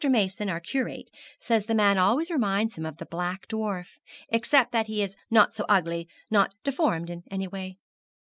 Mason, our curate, says the man always reminds him of the Black Dwarf, except that he is not so ugly, nor deformed in any way.'